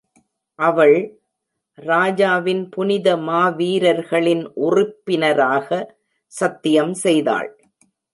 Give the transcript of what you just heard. அவள், ராஜாவின் புனித மாவீரர்களின் உறுப்பினராக, சத்தியம் செய்தாள்.